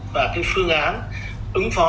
và phương án ứng phó